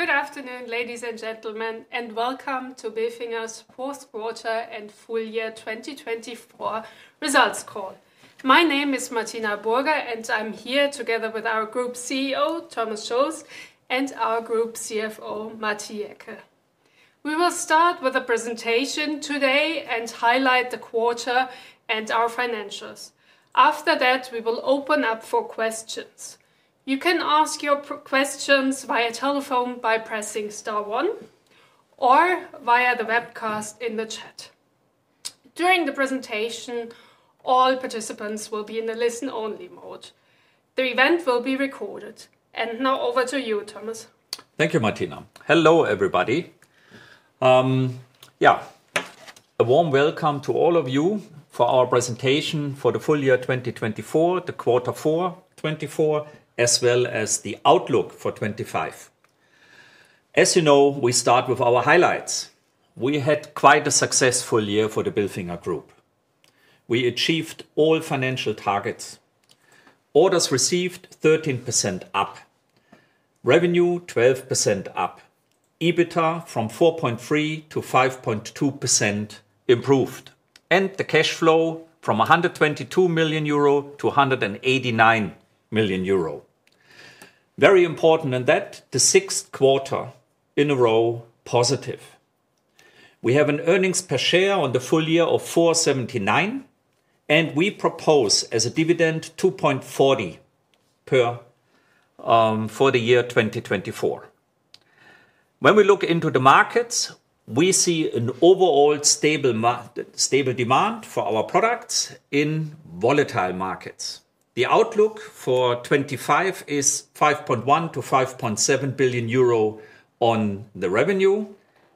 Good afternoon, ladies and gentlemen, and welcome to Bilfinger's fourth quarter and full year 2024 results call. My name is Martina Burger, and I'm here together with our Group CEO, Thomas Schulz, and our Group CFO, Matti Jäkel. We will start with a presentation today and highlight the quarter and our financials. After that, we will open up for questions. You can ask your questions via telephone by pressing star one or via the webcast in the chat. During the presentation, all participants will be in the listen-only mode. The event will be recorded. And now over to you, Thomas. Thank you, Martina. Hello, everybody. Yeah, a warm welcome to all of you for our presentation for the full year 2024, the quarter four, 2024, as well as the outlook for 2025. As you know, we start with our highlights. We had quite a successful year for the Bilfinger Group. We achieved all financial targets. Orders received 13% up, revenue 12% up, EBITDA from 4.3% to 5.2% improved, and the cash flow from 122 million euro to 189 million euro. Very important in that the sixth quarter in a row positive. We have an earnings per share on the full year of 4.79, and we propose as a dividend 2.40 per for the year 2024. When we look into the markets, we see an overall stable demand for our products in volatile markets. The outlook for 2025 is 5.1 billion-5.7 billion euro on the revenue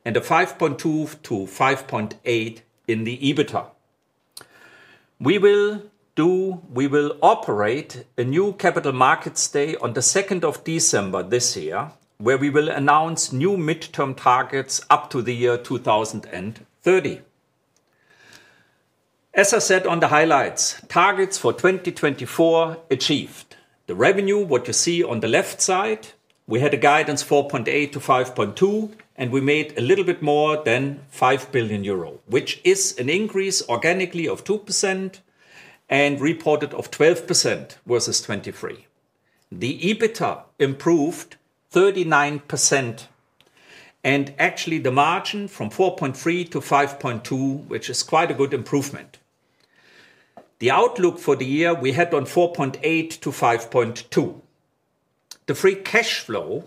and 5.2%-5.8% in the EBITDA. We will do, we will operate a new Capital Markets Day on the 2nd of December this year, where we will announce new midterm targets up to the year 2030. As I said on the highlights, targets for 2024 achieved. The revenue, what you see on the left side, we had a guidance 4.8 billion-5.2 billion, and we made a little bit more than 5 billion euro, which is an increase organically of 2% and reported of 12% versus 2023. The EBITDA improved 39% and actually the margin from 4.3% to 5.2%, which is quite a good improvement. The outlook for the year we had on 4.8 billion-5.2 billion. The free cash flow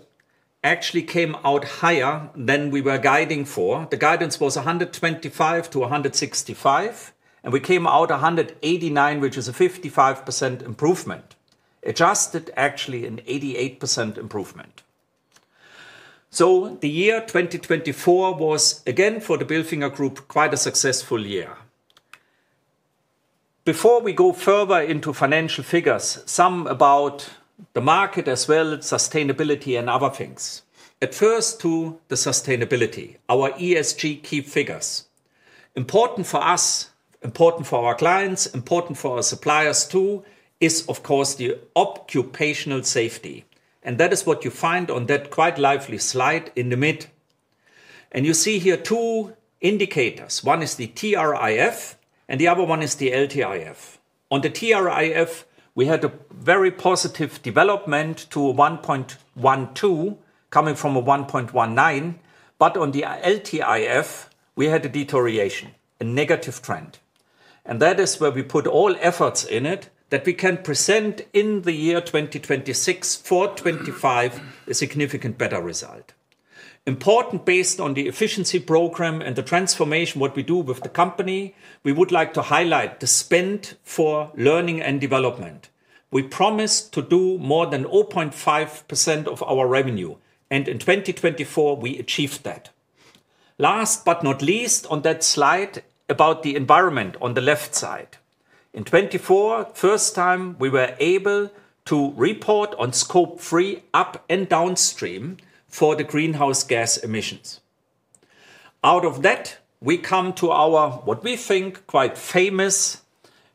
actually came out higher than we were guiding for. The guidance was 125 million-165 million, and we came out 189 million, which is a 55% improvement, adjusted actually an 88% improvement. So the year 2024 was again for the Bilfinger Group quite a successful year. Before we go further into financial figures, some about the market as well, sustainability and other things. At first, to the sustainability, our ESG key figures. Important for us, important for our clients, important for our suppliers too, is of course the occupational safety. And that is what you find on that quite lively slide in the middle. And you see here two indicators. One is the TRIF and the other one is the LTIF. On the TRIF, we had a very positive development to 1.12 coming from a 1.19, but on the LTIF, we had a deterioration, a negative trend. And that is where we put all efforts in it that we can present in the year 2026 for 2025 a significant better result. Important based on the efficiency program and the transformation what we do with the company, we would like to highlight the spend for learning and development. We promised to do more than 0.5% of our revenue, and in 2024 we achieved that. Last but not least on that slide about the environment on the left side. In 2024, first time we were able to report on Scope 3 upstream and downstream for the greenhouse gas emissions. Out of that, we come to our, what we think, quite famous,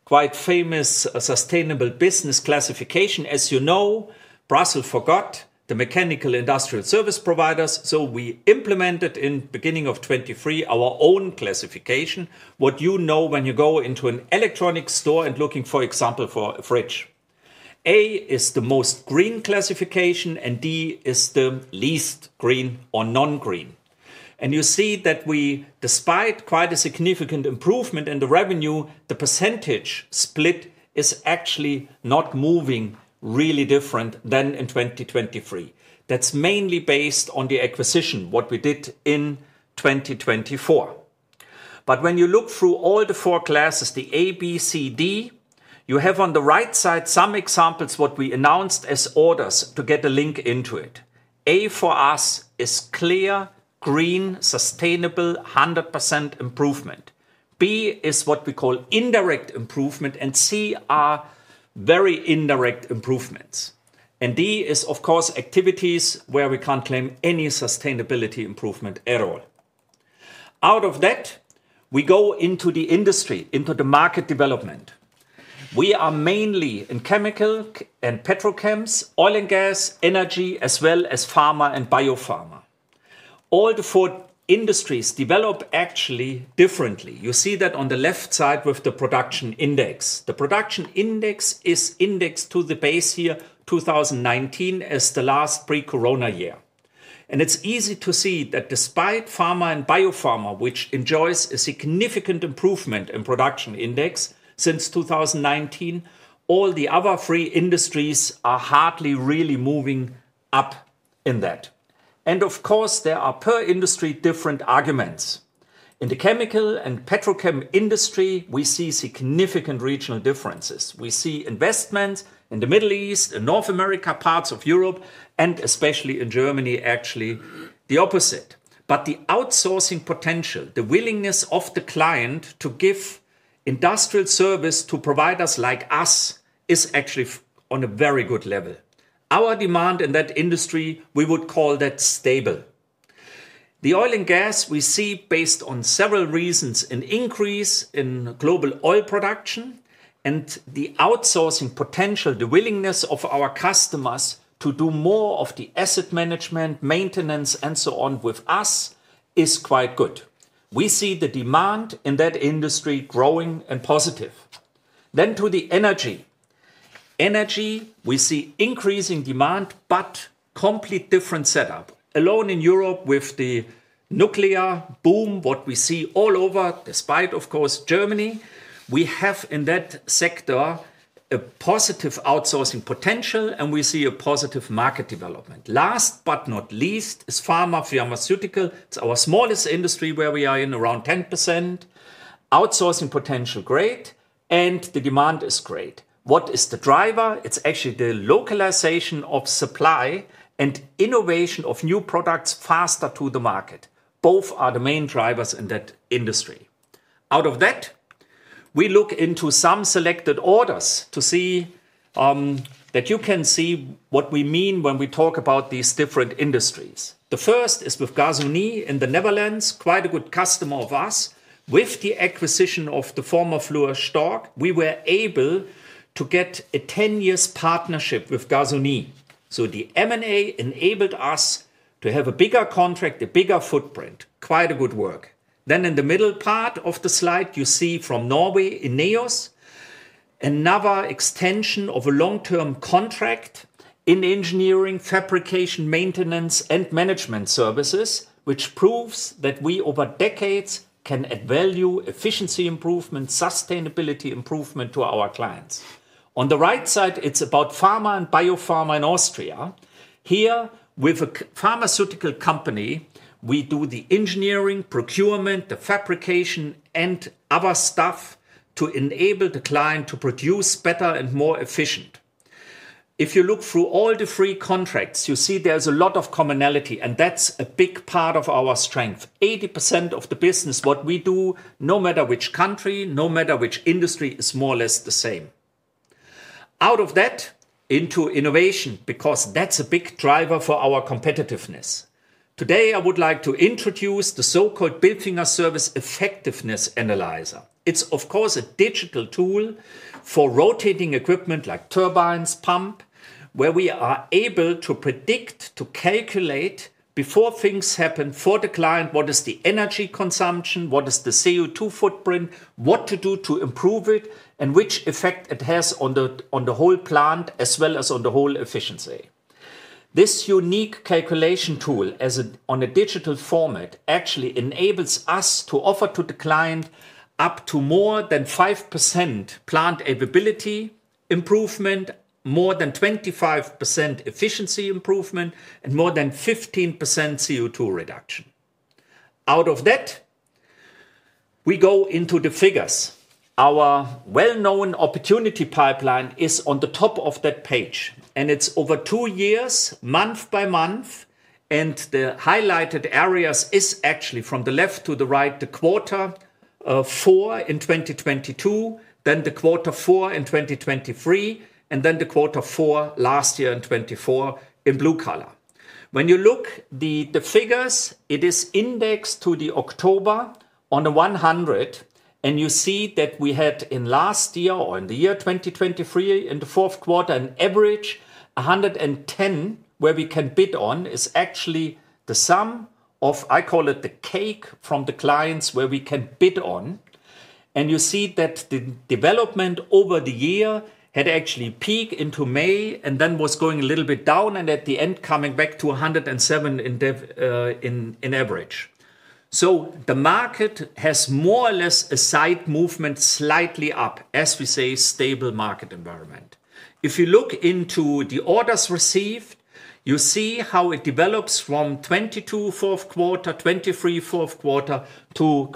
quite famous sustainable business classification. As you know, Brussels forgot the mechanical industrial service providers, so we implemented in the beginning of 2023 our own classification. You know when you go into an electronics store and looking for example for a fridge. A is the most green classification and D is the least green or non-green, and you see that we, despite quite a significant improvement in the revenue, the percentage split is actually not moving really different than in 2023. That's mainly based on the acquisition what we did in 2024, but when you look through all the four classes, the A, B, C, D, you have on the right side some examples what we announced as orders to get a link into it. A for us is clear green sustainable 100% improvement. B is what we call indirect improvement and C are very indirect improvements, and D is of course activities where we can't claim any sustainability improvement at all. Out of that, we go into the industry, into the market development. We are mainly in chemical and petrochemicals, oil and gas, energy, as well as pharma and biopharma. All the four industries develop actually differently. You see that on the left side with the production index. The production index is indexed to the base year 2019 as the last pre-corona year, and it's easy to see that despite pharma and biopharma, which enjoys a significant improvement in production index since 2019, all the other three industries are hardly really moving up in that, and of course, there are per industry different arguments. In the chemical and petrochemical industry, we see significant regional differences. We see investments in the Middle East, in North America, parts of Europe, and especially in Germany, actually the opposite, but the outsourcing potential, the willingness of the client to give industrial service to providers like us is actually on a very good level. Our demand in that industry, we would call that stable. The oil and gas we see, based on several reasons, an increase in global oil production and the outsourcing potential, the willingness of our customers to do more of the asset management, maintenance, and so on with us is quite good. We see the demand in that industry growing and positive. Then to the energy. Energy, we see increasing demand, but complete different setup. Alone in Europe with the nuclear boom, what we see all over, despite of course Germany, we have in that sector a positive outsourcing potential and we see a positive market development. Last but not least is pharma pharmaceutical. It's our smallest industry where we are in around 10%. Outsourcing potential great and the demand is great. What is the driver? It's actually the localization of supply and innovation of new products faster to the market. Both are the main drivers in that industry. Out of that, we look into some selected orders to see that you can see what we mean when we talk about these different industries. The first is with Gasunie in the Netherlands, quite a good customer of us. With the acquisition of the former Fluor Stork, we were able to get a 10-year partnership with Gasunie. So the M&A enabled us to have a bigger contract, a bigger footprint, quite a good work. Then in the middle part of the slide, you see from Norway in INEOS, another extension of a long-term contract in engineering, fabrication, maintenance, and management services, which proves that we over decades can add value, efficiency improvement, sustainability improvement to our clients. On the right side, it's about pharma and biopharma in Austria. Here with a pharmaceutical company, we do the engineering, procurement, the fabrication, and other stuff to enable the client to produce better and more efficient. If you look through all the EPC contracts, you see there's a lot of commonality and that's a big part of our strength. 80% of the business, what we do, no matter which country, no matter which industry, is more or less the same. Out of that, into innovation, because that's a big driver for our competitiveness. Today, I would like to introduce the so-called Bilfinger Service Effectiveness Analyzer. It's of course a digital tool for rotating equipment like turbines, pump, where we are able to predict, to calculate before things happen for the client, what is the energy consumption, what is the CO2 footprint, what to do to improve it, and which effect it has on the whole plant as well as on the whole efficiency. This unique calculation tool on a digital format actually enables us to offer to the client up to more than 5% plant availability improvement, more than 25% efficiency improvement, and more than 15% CO2 reduction. Out of that, we go into the figures. Our well-known opportunity pipeline is on the top of that page and it's over two years, month by month, and the highlighted areas is actually from the left to the right, the quarter four in 2022, then the quarter four in 2023, and then the quarter four last year in 2024 in blue color. When you look at the figures, it is indexed to the October on the 100, and you see that we had in last year or in the year 2023 in the fourth quarter, an average 110, where we can bid on is actually the sum of, I call it the cake from the clients where we can bid on. And you see that the development over the year had actually peaked into May and then was going a little bit down and at the end coming back to 107 in average. The market has more or less a side movement slightly up, as we say, stable market environment. If you look into the orders received, you see how it develops from 2022 fourth quarter, 2023 fourth quarter to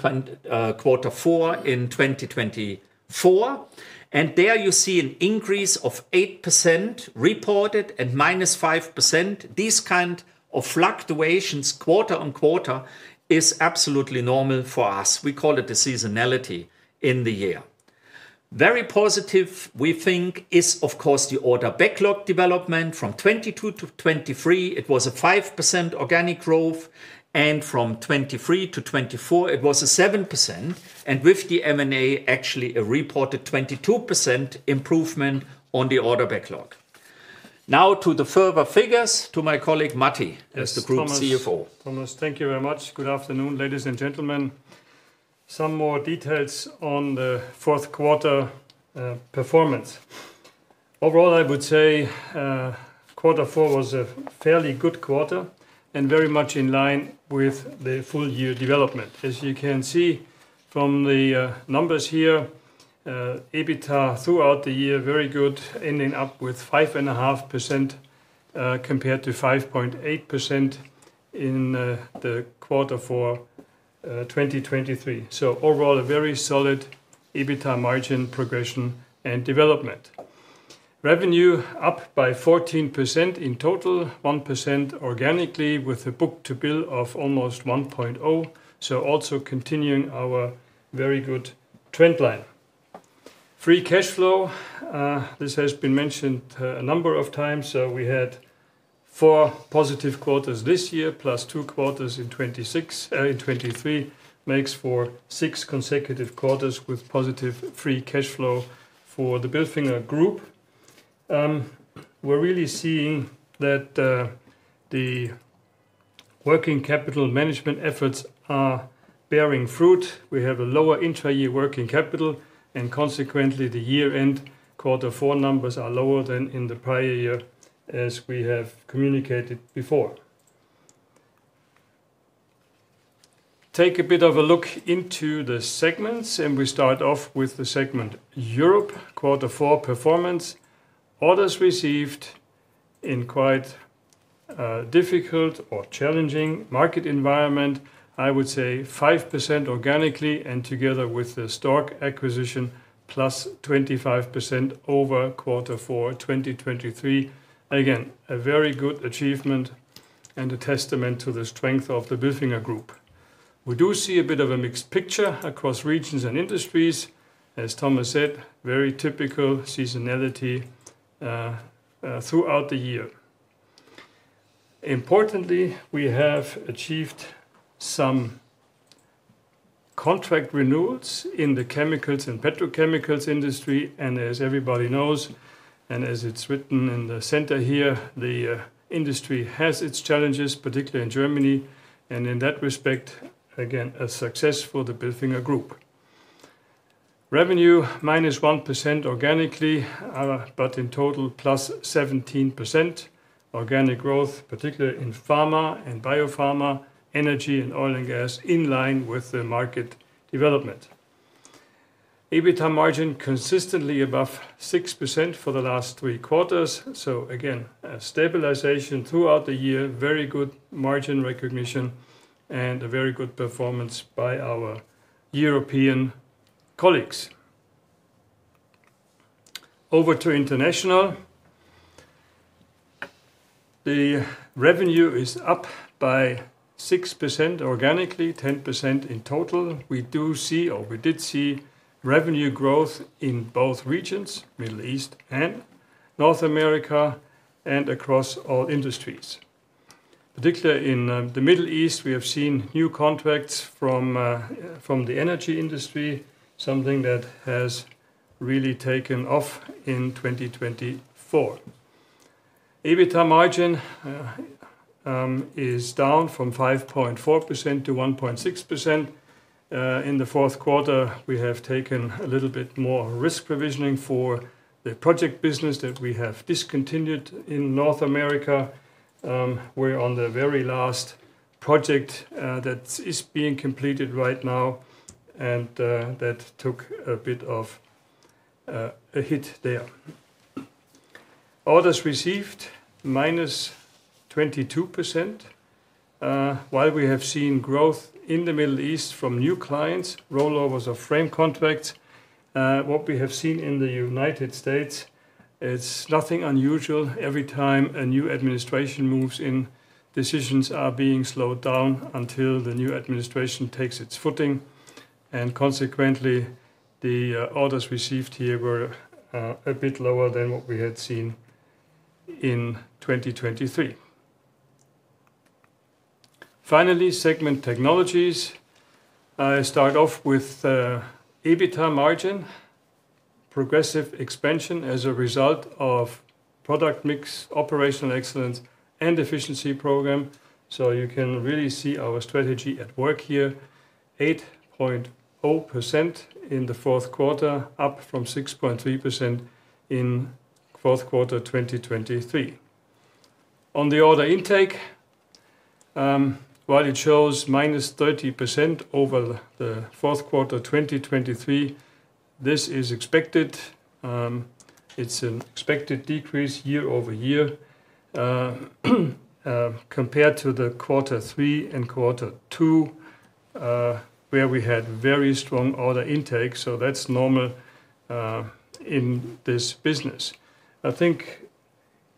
quarter four in 2024. And there you see an increase of 8% reported and -5%. These kind of fluctuations quarter on quarter is absolutely normal for us. We call it the seasonality in the year. Very positive, we think, is of course the order backlog development from 2022 to 2023. It was a 5% organic growth and from 2023 to 2024, it was a 7%. And with the M&A, actually a reported 22% improvement on the order backlog. Now to the further figures to my colleague Matti Jäkel as the Group CFO. Thank you very much. Good afternoon, ladies and gentlemen. Some more details on the fourth quarter performance. Overall, I would say quarter four was a fairly good quarter and very much in line with the full year development. As you can see from the numbers here, EBITDA throughout the year, very good, ending up with 5.5% compared to 5.8% in the quarter four 2023. So overall, a very solid EBITDA margin progression and development. Revenue up by 14% in total, 1% organically with a book-to-bill of almost 1.0. So also continuing our very good trend line. Free cash flow, this has been mentioned a number of times. So we had four positive quarters this year plus two quarters in 2022, in 2023, makes for six consecutive quarters with positive free cash flow for the Bilfinger Group. We're really seeing that the working capital management efforts are bearing fruit. We have a lower year-on-year working capital and consequently the year-end quarter four numbers are lower than in the prior year, as we have communicated before. Take a bit of a look into the segments and we start off with the segment Europe. Quarter four performance, orders received in quite difficult or challenging market environment, I would say 5% organically and together with the Stork acquisition +25% over quarter four 2023. Again, a very good achievement and a testament to the strength of the Bilfinger Group. We do see a bit of a mixed picture across regions and industries, as Thomas said, very typical seasonality throughout the year. Importantly, we have achieved some contract renewals in the chemicals and petrochemicals industry, and as everybody knows, and as it's written in the center here, the industry has its challenges, particularly in Germany. In that respect, again, a success for the Bilfinger Group. Revenue minus 1% organically, but in total +17% organic growth, particularly in pharma and biopharma, energy and oil and gas in line with the market development. EBITDA margin consistently above 6% for the last three quarters. Again, a stabilization throughout the year, very good margin recognition and a very good performance by our European colleagues. Over to International. The revenue is up by 6% organically, 10% in total. We do see, or we did see revenue growth in both regions, Middle East and North America, and across all industries. Particularly in the Middle East, we have seen new contracts from the energy industry, something that has really taken off in 2024. EBITDA margin is down from 5.4% to 1.6%. In the fourth quarter, we have taken a little bit more risk provisioning for the project business that we have discontinued in North America. We're on the very last project that is being completed right now and that took a bit of a hit there. Orders received -22%. While we have seen growth in the Middle East from new clients, rollovers of frame contracts. What we have seen in the United States, it's nothing unusual. Every time a new administration moves in, decisions are being slowed down until the new administration takes its footing, and consequently, the orders received here were a bit lower than what we had seen in 2023. Finally, segment Technologies. I start off with EBITDA margin, progressive expansion as a result of product mix, operational excellence, and efficiency program. So you can really see our strategy at work here, 8.0% in the fourth quarter, up from 6.3% in fourth quarter 2023. On the order intake, while it shows -30% over the fourth quarter 2023, this is expected. It's an expected decrease year over year compared to the quarter three and quarter two, where we had very strong order intake. So that's normal in this business. I think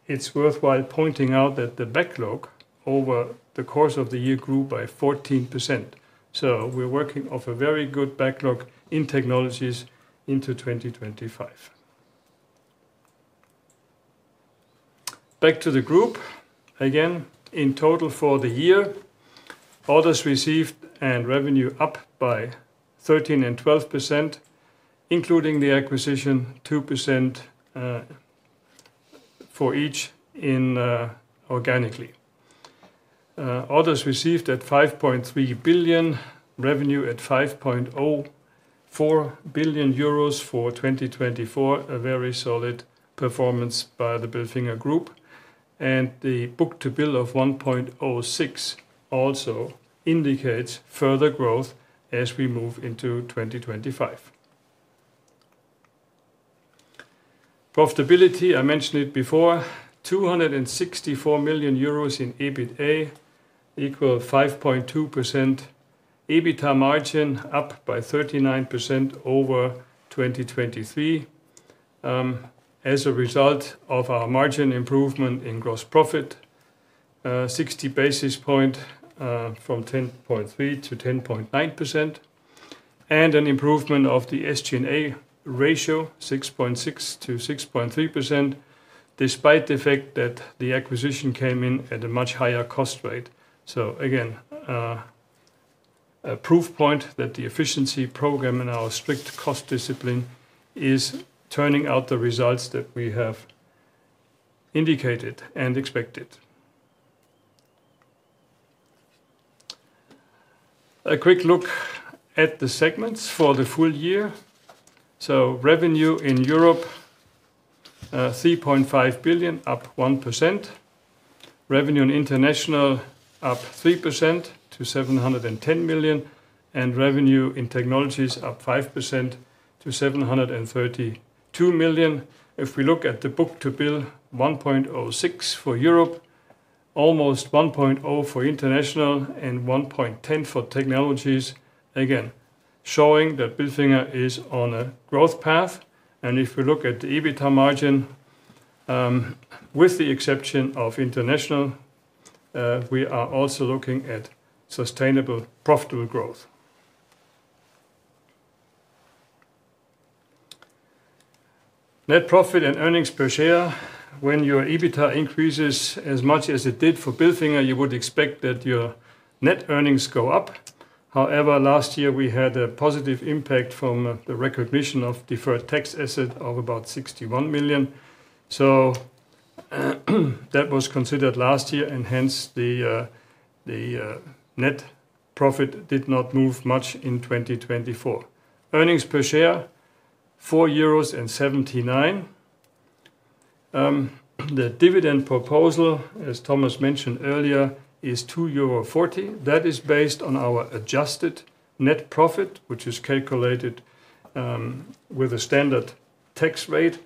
it's worthwhile pointing out that the backlog over the course of the year grew by 14%. So we're working off a very good backlog in Technologies into 2025. Back to the group. Again, in total for the year, orders received and revenue up by 13% and 12%, including the acquisition, 2% for each inorganically. Orders received at 5.3 billion, revenue at 5.04 billion euros for 2024, a very solid performance by the Bilfinger Group. And the book-to-bill of 1.06 also indicates further growth as we move into 2025. Profitability, I mentioned it before, 264 million euros in EBITDA equals 5.2% EBITDA margin, up by 39% over 2023. As a result of our margin improvement in gross profit, 60 basis points from 10.3% to 10.9%, and an improvement of the SG&A ratio, 6.6% to 6.3%, despite the fact that the acquisition came in at a much higher cost rate. So again, a proof point that the efficiency program and our strict cost discipline is turning out the results that we have indicated and expected. A quick look at the segments for the full year. So revenue in Europe, 3.5 billion, up 1%. Revenue in International, up 3% to 710 million, and revenue in Technologies up 5% to 732 million EUR. If we look at the book-to-bill, 1.06 for Europe, almost 1.0 for International, and 1.10 for Technologies, again, showing that Bilfinger is on a growth path. And if we look at the EBITDA margin, with the exception of International, we are also looking at sustainable profitable growth. Net profit and earnings per share. When your EBITDA increases as much as it did for Bilfinger, you would expect that your net earnings go up. However, last year, we had a positive impact from the recognition of deferred tax asset of about 61 million. So that was considered last year, and hence the net profit did not move much in 2024. Earnings per share, 4.79 euros. The dividend proposal, as Thomas mentioned earlier, is 2.40 euro. That is based on our adjusted net profit, which is calculated with a standard tax rate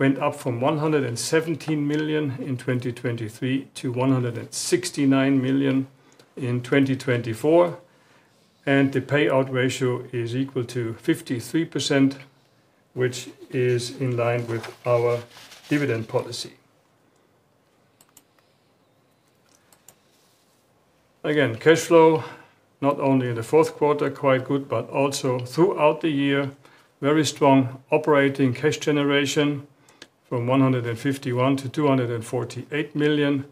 and went up from 117 million in 2023 to 169 million in 2024. The payout ratio is equal to 53%, which is in line with our dividend policy. Again, cash flow, not only in the fourth quarter, quite good, but also throughout the year, very strong operating cash generation from 151 million to 248 million.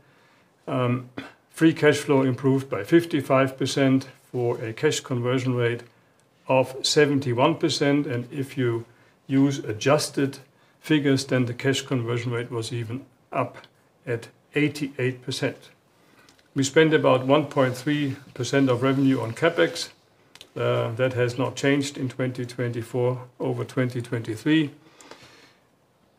Free cash flow improved by 55% for a cash conversion rate of 71%. And if you use adjusted figures, then the cash conversion rate was even up at 88%. We spend about 1.3% of revenue on CapEx. That has not changed in 2024 over 2023.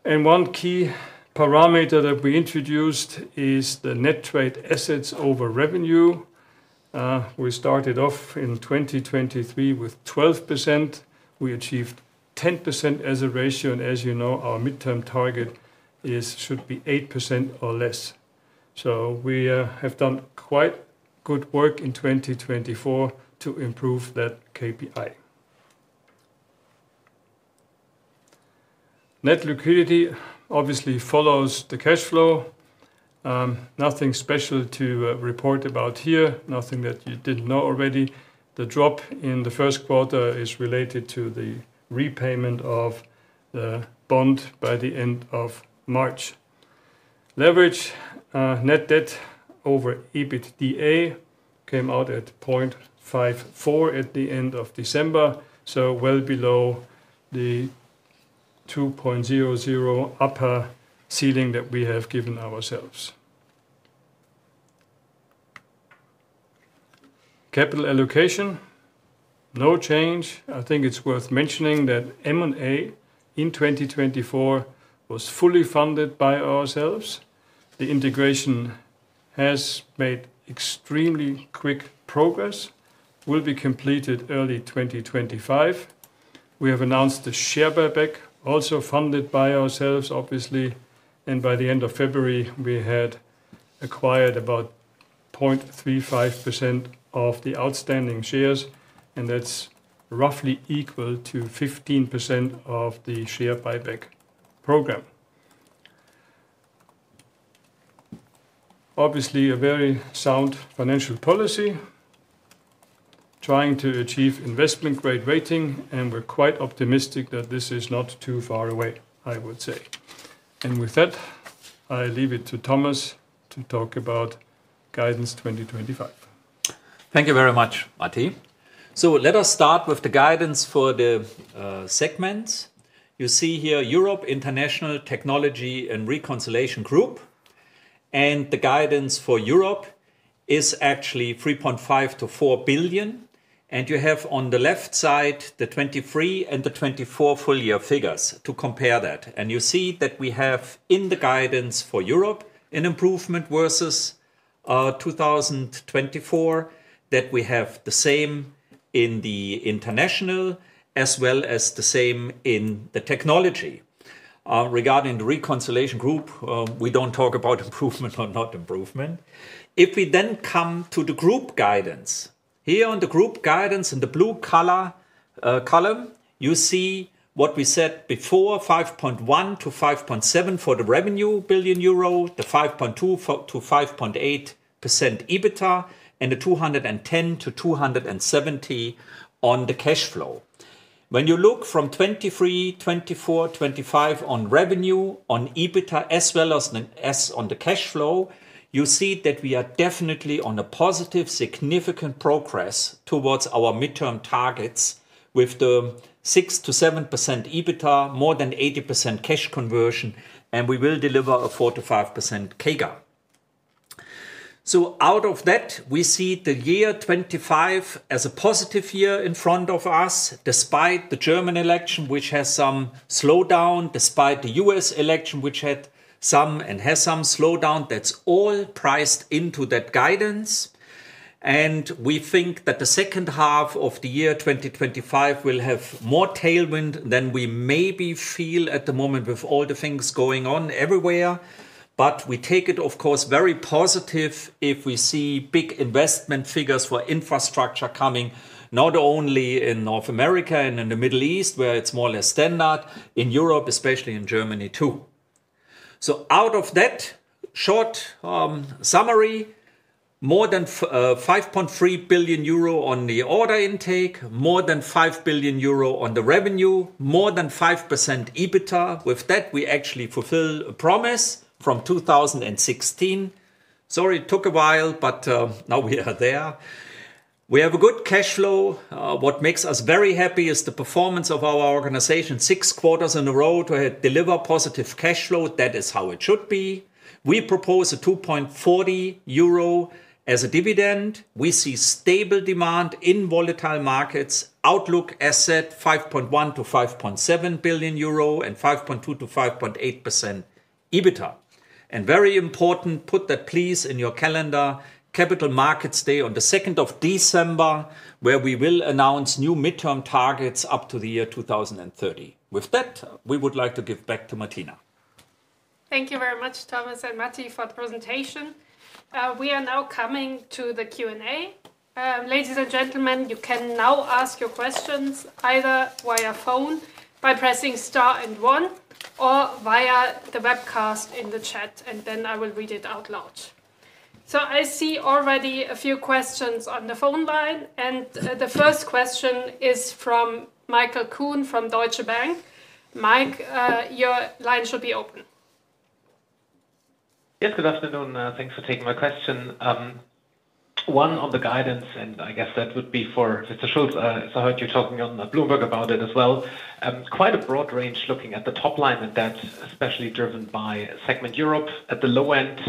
One key parameter that we introduced is the net trade assets over revenue. We started off in 2023 with 12%. We achieved 10% as a ratio. As you know, our midterm target should be 8% or less. We have done quite good work in 2024 to improve that KPI. Net liquidity obviously follows the cash flow. Nothing special to report about here, nothing that you didn't know already. The drop in the first quarter is related to the repayment of the bond by the end of March. Leverage net debt over EBITDA came out at 0.54 at the end of December, so well below the 2.00 upper ceiling that we have given ourselves. Capital allocation, no change. I think it's worth mentioning that M&A in 2024 was fully funded by ourselves. The integration has made extremely quick progress, will be completed early 2025. We have announced the share buyback, also funded by ourselves, obviously. By the end of February, we had acquired about 0.35% of the outstanding shares, and that's roughly equal to 15% of the share buyback program. Obviously, a very sound financial policy, trying to achieve investment-grade rating, and we're quite optimistic that this is not too far away, I would say. With that, I leave it to Thomas to talk about guidance 2025. Thank you very much, Matti. Let us start with the guidance for the segments. You see here Europe, International, Technology, and Reconciliation Group. The guidance for Europe is actually 3.5 billion-4 billion. You have on the left side the 2023 and the 2024 full year figures to compare that. You see that we have in the guidance for Europe an improvement versus 2024, that we have the same in the International, as well as the same in the Technology. Regarding the Reconciliation Group, we don't talk about improvement or not improvement. If we then come to the group guidance, here on the group guidance in the blue column, you see what we said before, 5.1 billion-5.7 billion for the revenue, the 5.2%-5.8% EBITDA, and the 210 million-270 million on the cash flow. When you look from 2023, 2024, 2025 on revenue, on EBITDA, as well as on the cash flow, you see that we are definitely on a positive, significant progress towards our midterm targets with the 6%-7% EBITDA, more than 80% cash conversion, and we will deliver a 4%-5% CAGR, so out of that, we see the year 2025 as a positive year in front of us, despite the German election, which has some slowdown, despite the U.S. election, which had some and has some slowdown. That's all priced into that guidance. And we think that the second half of the year 2025 will have more tailwind than we maybe feel at the moment with all the things going on everywhere. But we take it, of course, very positive if we see big investment figures for infrastructure coming, not only in North America and in the Middle East, where it's more or less standard, in Europe, especially in Germany too. So out of that short summary, more than 5.3 billion euro on the order intake, more than 5 billion euro on the revenue, more than 5% EBITDA. With that, we actually fulfill a promise from 2016. Sorry, it took a while, but now we are there. We have a good cash flow. What makes us very happy is the performance of our organization six quarters in a row to deliver positive cash flow. That is how it should be. We propose 2.40 euro as a dividend. We see stable demand in volatile markets. Outlook asset, 5.1 billion-5.7 billion euro and 5.2%-5.8% EBITDA. Very important, put that please in your calendar, Capital Markets Day on the 2nd of December, where we will announce new midterm targets up to the year 2030. With that, we would like to give back to Martina. Thank you very much, Thomas and Matti, for the presentation. We are now coming to the Q&A. Ladies and gentlemen, you can now ask your questions either via phone by pressing star and one or via the webcast in the chat, and then I will read it out loud. So I see already a few questions on the phone line, and the first question is from Michael Kuhn from Deutsche Bank. Mike, your line should be open. Yes, good afternoon. Thanks for taking my question. One on the guidance, and I guess that would be for Mr. Schulz, as I heard you talking on Bloomberg about it as well, quite a broad range looking at the top line and that's especially driven by segment Europe at the low end,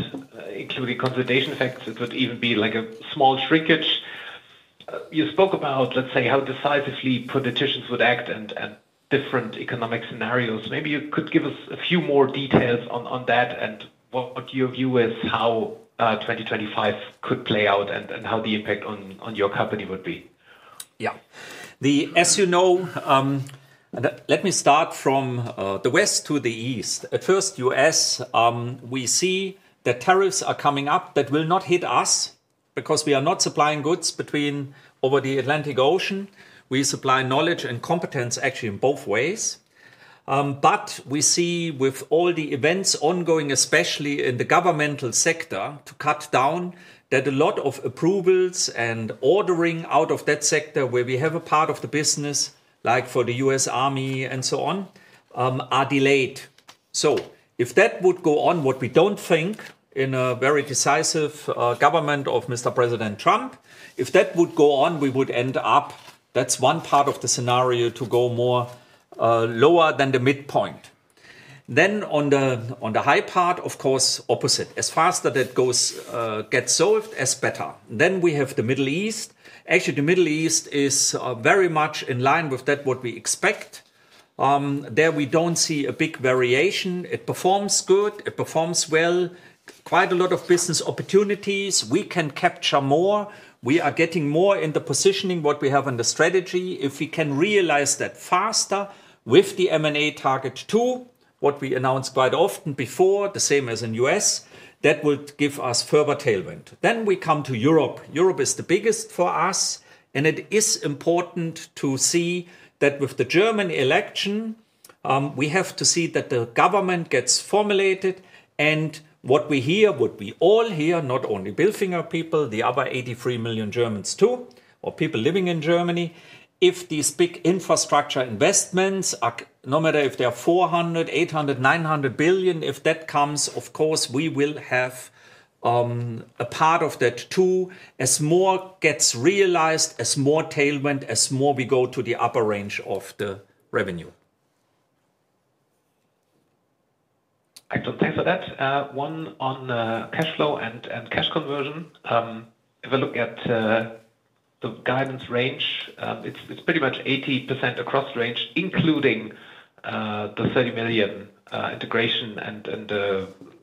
including consolidation effects. It would even be like a small shrinkage. You spoke about, let's say, how decisively politicians would act and different economic scenarios. Maybe you could give us a few more details on that and what your view is, how 2025 could play out and how the impact on your company would be. Yeah. As you know, let me start from the west to the east. At first, U.S., we see that tariffs are coming up that will not hit us because we are not supplying goods over the Atlantic Ocean. We supply knowledge and competence actually in both ways. But we see with all the events ongoing, especially in the governmental sector, to cut down, that a lot of approvals and ordering out of that sector where we have a part of the business, like for the U.S. Army and so on, are delayed. So if that would go on, what we don't think in a very decisive government of Mr. President Trump, if that would go on, we would end up. That's one part of the scenario to go more lower than the midpoint. Then on the high part, of course, opposite. As fast as that gets solved, as better. Then we have the Middle East. Actually, the Middle East is very much in line with that, what we expect. There we don't see a big variation. It performs good. It performs well. Quite a lot of business opportunities. We can capture more. We are getting more in the positioning, what we have in the strategy. If we can realize that faster with the M&A target too, what we announced quite often before, the same as in U.S., that would give us further tailwind, then we come to Europe. Europe is the biggest for us, and it is important to see that with the German election, we have to see that the government gets formulated and what we hear, what we all hear, not only Bilfinger people, the other 83 million Germans too, or people living in Germany, if these big infrastructure investments, no matter if they are 400 billion, 800 billion, 900 billion, if that comes, of course, we will have a part of that too. As more gets realized, as more tailwind, as more we go to the upper range of the revenue. I don't think so. That's one on cash flow and cash conversion. If I look at the guidance range, it's pretty much 80% across range, including the 30 million integration and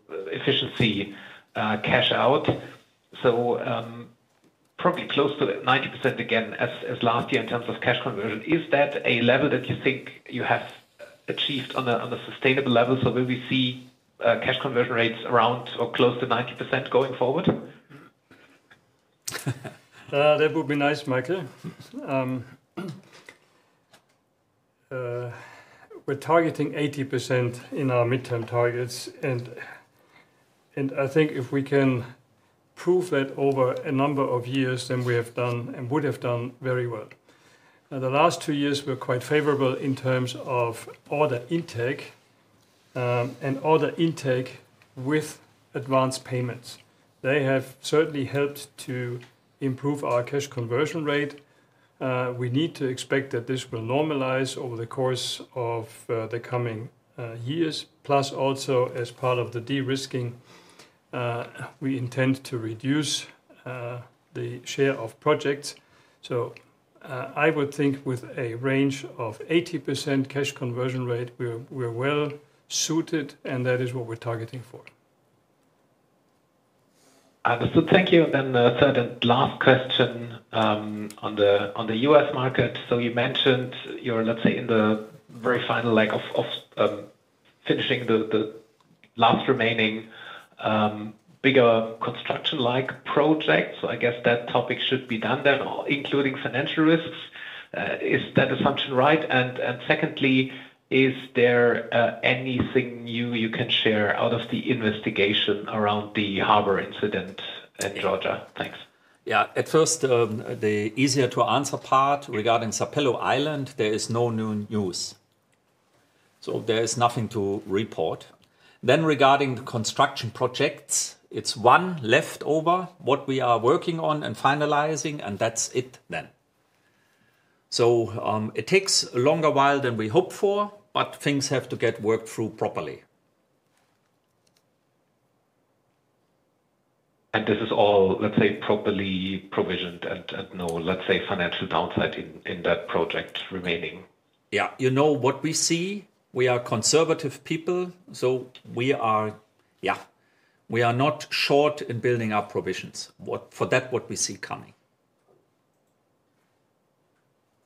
efficiency cash out. So probably close to 90% again as last year in terms of cash conversion. Is that a level that you think you have achieved on a sustainable level? So will we see cash conversion rates around or close to 90% going forward? That would be nice, Michael. We're targeting 80% in our midterm targets, and I think if we can prove that over a number of years, then we have done and would have done very well. Now, the last two years were quite favorable in terms of order intake and order intake with advance payments. They have certainly helped to improve our cash conversion rate. We need to expect that this will normalize over the course of the coming years, plus also as part of the de-risking, we intend to reduce the share of projects. So I would think with a range of 80% cash conversion rate, we're well suited, and that is what we're targeting for. So thank you. Then the third and last question on the U.S. market. So you mentioned you're, let's say, in the very final leg of finishing the last remaining bigger construction-like projects. So I guess that topic should be done then, including financial risks. Is that assumption right? And secondly, is there anything new you can share out of the investigation around the harbor incident in Georgia? Thanks. Yeah. At first, the easier to answer part regarding Sapelo Island, there is no new news. So there is nothing to report. Then regarding the construction projects, it's one left over what we are working on and finalizing, and that's it then. So it takes a longer while than we hoped for, but things have to get worked through properly. And this is all, let's say, properly provisioned and no, let's say, financial downside in that project remaining. Yeah. You know what we see? We are conservative people, so we are not short in building our provisions for that, what we see coming.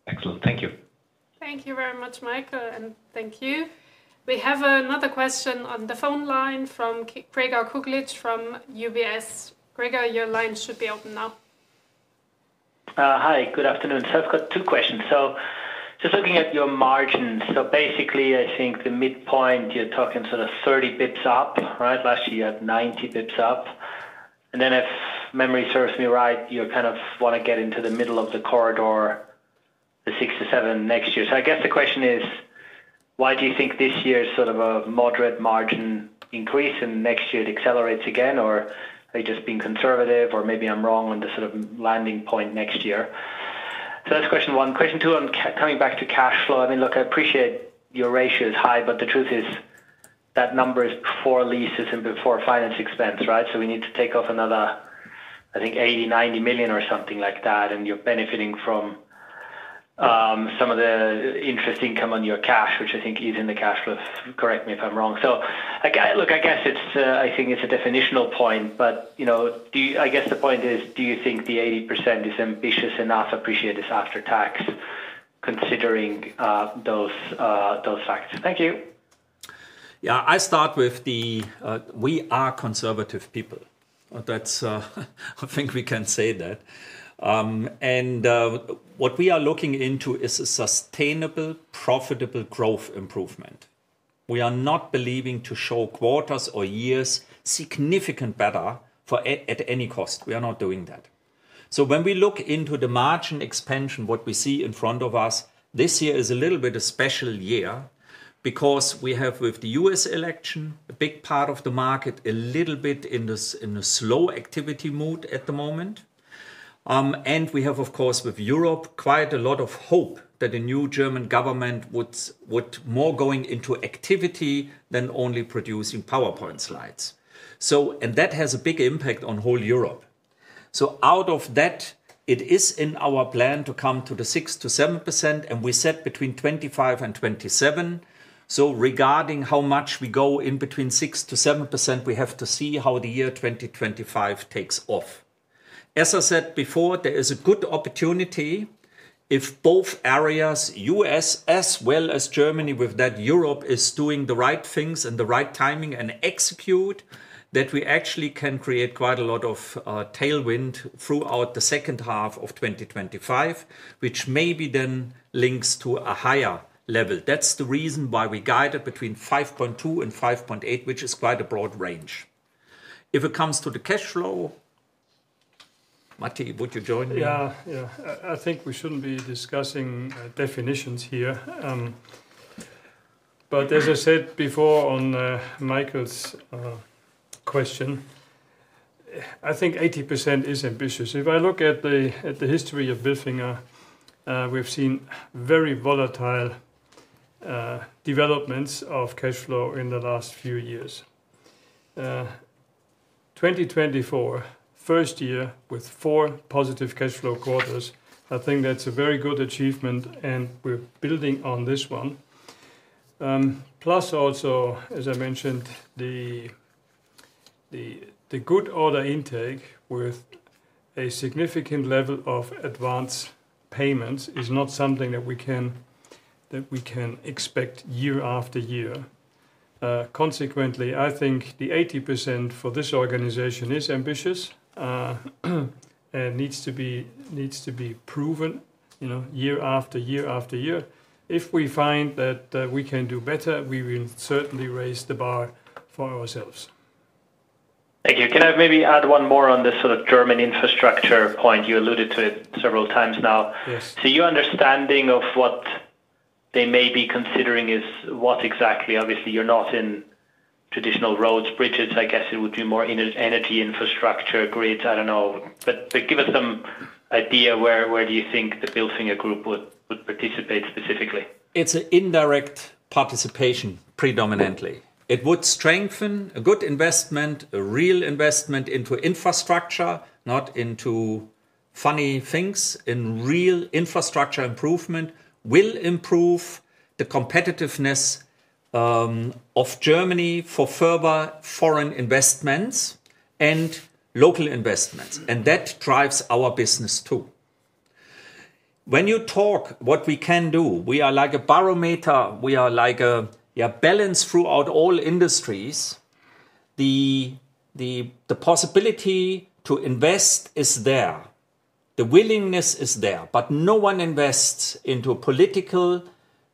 Excellent. Thank you. Thank you very much, Michael, and thank you. We have another question on the phone line from Gregor Kuglitsch from UBS. Gregor, your line should be open now. Hi, good afternoon. So I've got two questions. So just looking at your margins, so basically, I think the midpoint, you're talking sort of 30 basis points up, right? Last year, you had 90 basis points up. And then if memory serves me right, you kind of want to get into the middle of the corridor, the 6% to 7% next year. So I guess the question is, why do you think this year is sort of a moderate margin increase and next year it accelerates again, or are you just being conservative, or maybe I'm wrong on the sort of landing point next year? So that's question one. Question two on coming back to cash flow. I mean, look, I appreciate your ratio is high, but the truth is that number is before leases and before finance expense, right? So we need to take off another, I think, 80 million-90 million or something like that, and you're benefiting from some of the interest income on your cash, which I think is in the cash flow. Correct me if I'm wrong. So look, I guess I think it's a definitional point, but I guess the point is, do you think the 80% is ambitious enough? Appreciate this after tax, considering those facts. Thank you. Yeah. I start with the we are conservative people. I think we can say that. And what we are looking into is a sustainable, profitable growth improvement. We are not believing to show quarters or years significant better at any cost. We are not doing that. So when we look into the margin expansion, what we see in front of us this year is a little bit of special year because we have, with the U.S. election, a big part of the market a little bit in a slow activity mood at the moment. And we have, of course, with Europe, quite a lot of hope that the new German government would more going into activity than only producing PowerPoint slides. And that has a big impact on whole Europe. So out of that, it is in our plan to come to the 6%-7%, and we set between 2025 and 2027. So regarding how much we go in between 6%-7%, we have to see how the year 2025 takes off. As I said before, there is a good opportunity if both areas, U.S. as well as Germany, with that Europe is doing the right things and the right timing and execute, that we actually can create quite a lot of tailwind throughout the second half of 2025, which maybe then links to a higher level. That's the reason why we guided between 5.2 and 5.8, which is quite a broad range. If it comes to the cash flow, Matti, would you join me? Yeah. Yeah. I think we shouldn't be discussing definitions here. But as I said before on Michael's question, I think 80% is ambitious. If I look at the history of Bilfinger, we've seen very volatile developments of cash flow in the last few years. 2024, first year with four positive cash flow quarters. I think that's a very good achievement, and we're building on this one. Plus also, as I mentioned, the good order intake with a significant level of advance payments is not something that we can expect year after year. Consequently, I think the 80% for this organization is ambitious and needs to be proven year after year after year. If we find that we can do better, we will certainly raise the bar for ourselves. Thank you. Can I maybe add one more on this sort of German infrastructure point? You alluded to it several times now, so your understanding of what they may be considering is what exactly? Obviously, you're not in traditional roads, bridges. I guess it would be more energy infrastructure grids. I don't know, but give us some idea where do you think the Bilfinger group would participate specifically? It's an indirect participation, predominantly. It would strengthen a good investment, a real investment into infrastructure, not into funny things. In real infrastructure, improvement will improve the competitiveness of Germany for further foreign investments and local investments, and that drives our business too. When you talk what we can do, we are like a barometer. We are like a balance throughout all industries. The possibility to invest is there. The willingness is there, but no one invests into a political,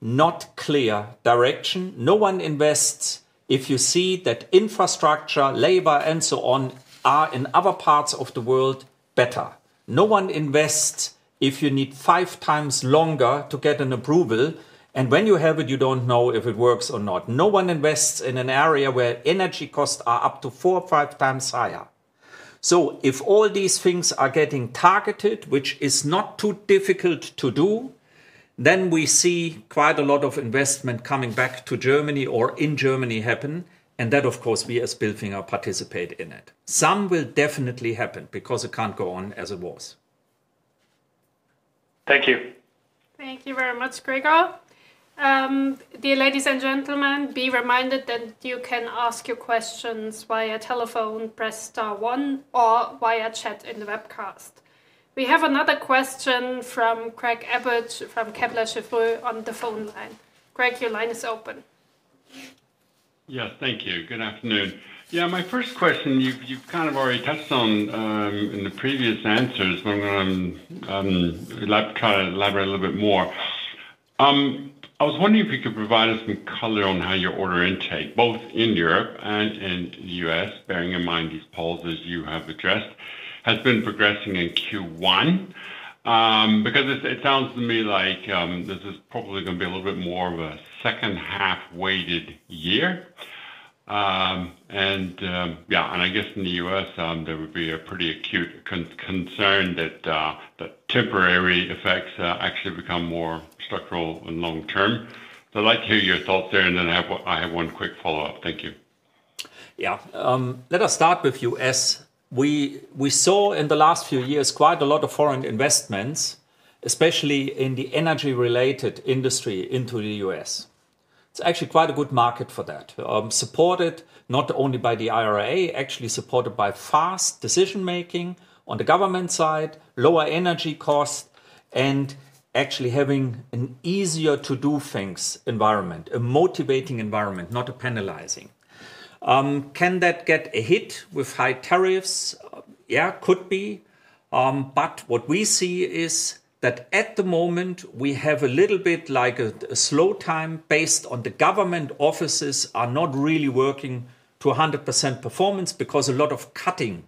not clear direction. No one invests if you see that infrastructure, labor, and so on are in other parts of the world better. No one invests if you need five times longer to get an approval and when you have it, you don't know if it works or not. No one invests in an area where energy costs are up to four or five times higher, so if all these things are getting targeted, which is not too difficult to do, then we see quite a lot of investment coming back to Germany or in Germany happen, and that, of course, we as Bilfinger participate in it. Some will definitely happen because it can't go on as it was. Thank you. Thank you very much, Gregor. Dear ladies and gentlemen, be reminded that you can ask your questions via telephone, press star one, or via chat in the webcast. We have another question from Craig Abbott from Kepler Cheuvreux on the phone line. Craig, your line is open. Yeah. Thank you. Good afternoon. Yeah. My first question, you've kind of already touched on in the previous answers, but I'm going to elaborate a little bit more. I was wondering if you could provide us some color on how your order intake, both in Europe and in the U.S., bearing in mind these polls as you have addressed, has been progressing in Q1 because it sounds to me like this is probably going to be a little bit more of a second-half weighted year. Yeah, and I guess in the U.S., there would be a pretty acute concern that temporary effects actually become more structural and long-term. So I'd like to hear your thoughts there, and then I have one quick follow-up. Thank you. Yeah. Let us start with U.S. We saw in the last few years quite a lot of foreign investments, especially in the energy-related industry, into the U.S. It's actually quite a good market for that, supported not only by the IRA, actually supported by fast decision-making on the government side, lower energy costs, and actually having an easier-to-do things environment, a motivating environment, not a penalizing. Can that get a hit with high tariffs? Yeah, could be. But what we see is that at the moment, we have a little bit like a slow time based on the government offices are not really working to 100% performance because a lot of cutting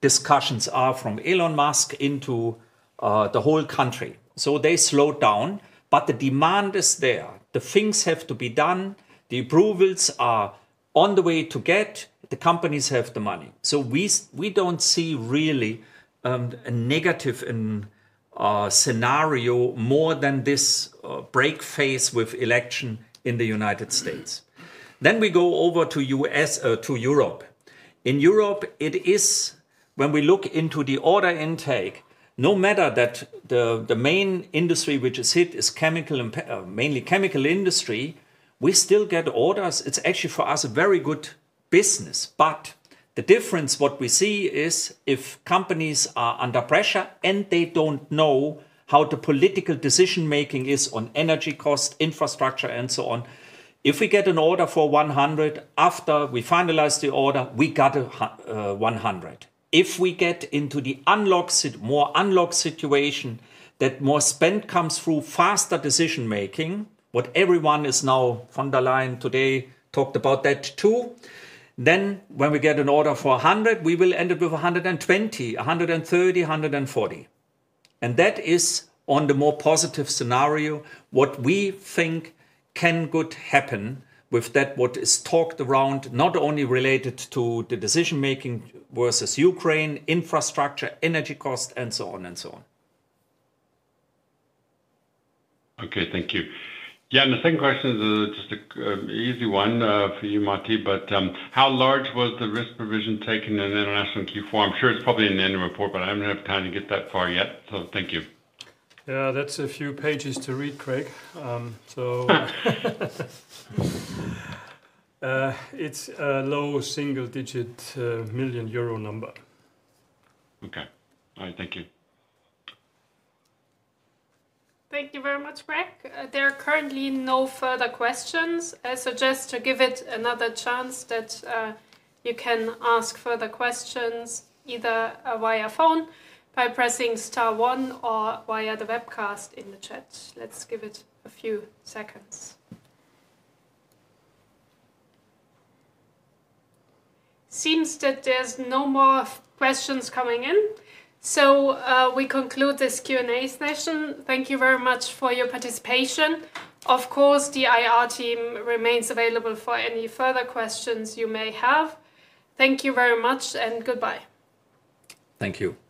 discussions are from Elon Musk into the whole country. So they slowed down, but the demand is there. The things have to be done. The approvals are on the way to get. The companies have the money. So we don't see really a negative scenario more than this break phase with election in the United States. Then we go over to Europe. In Europe, it is when we look into the order intake, no matter that the main industry which is hit is mainly chemical industry, we still get orders. It's actually for us a very good business. But the difference what we see is if companies are under pressure and they don't know how the political decision-making is on energy cost, infrastructure, and so on. If we get an order for 100, after we finalize the order, we got 100. If we get into the more unlocked situation that more spend comes through, faster decision-making, what everyone is now von der Leyen today talked about that too, then when we get an order for 100, we will end up with 120, 130, 140. And that is on the more positive scenario what we think can good happen with that what is talked around, not only related to the decision-making versus Ukraine, infrastructure, energy cost, and so on and so on. Okay. Thank you. Yeah. And the second question is just an easy one for you, Matti, but how large was the risk provision taken in International fourth quarter? I'm sure it's probably in the end report, but I don't have time to get that far yet. So thank you. Yeah. That's a few pages to read, Craig. So it's a low single-digit million euro number. Okay. All right. Thank you. Thank you very much, Craig. There are currently no further questions. I suggest to give it another chance that you can ask further questions either via phone by pressing star one or via the webcast in the chat. Let's give it a few seconds. Seems that there's no more questions coming in. So we conclude this Q&A session. Thank you very much for your participation. Of course, the IR team remains available for any further questions you may have. Thank you very much and goodbye. Thank you.